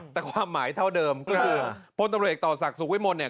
แต่ความหมายเท่าเดิมก็คือโพสต์ตะเวรี่หักษัตริย์สักสุกวิมลเนี่ย